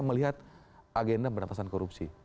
melihat agenda berantasan korupsi